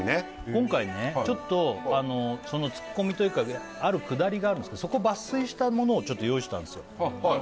今回ねそのツッコミというかあるくだりがあるんですけどそこ抜粋したものをちょっと用意したんですよ